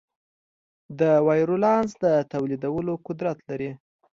د وایرولانس د تولیدولو قدرت لري.